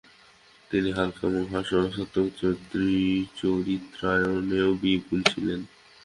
তিনি হালকা এবং হাস্যরসাত্মক চরিত্রায়নেও নিপুন ছিলেন।